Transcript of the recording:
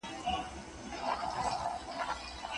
بریالي کسان خپلو چارو ته ډېره لېوالتیا لري.